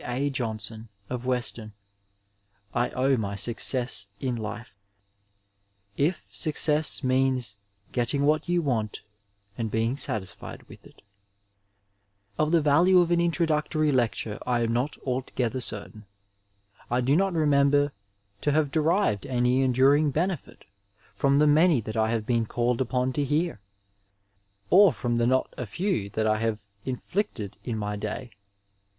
A. Johnson, of Weston, I owe my success in life — if success means getting what you want and being satisfied with it. 871 Digitized by VjOOQIC THE MASTER WORD IN MEDICINE II Of the value of an introductoiy lectoie I am not alto gether certain. I do not remember to have derived any enduring benefit from tbe many that I have been called upon to hear, or from the not a few that I have inflicted in my day.